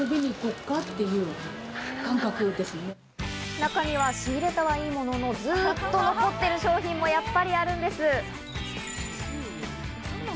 中には仕入れたはいいものの、ずっと残っている商品もやっぱりあるんです。